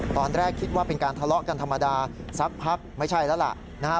ตอนแรกคิดว่าเป็นการทะเลาะกันธรรมดาสักพักไม่ใช่แล้วล่ะนะฮะ